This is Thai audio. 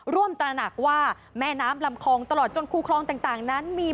ตระหนักว่าแม่น้ำลำคลองตลอดจนคูคลองต่างนั้นมี